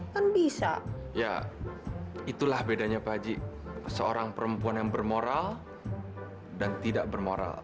kan bisa ya itulah bedanya pak haji seorang perempuan yang bermoral dan tidak bermoral